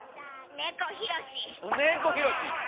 猫ひろし！